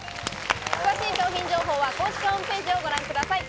詳しい商品情報は公式ホームページをご覧ください。